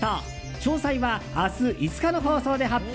詳細は明日５日の放送で発表。